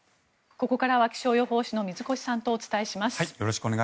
ここからは気象予報士の水越さんとお伝えします。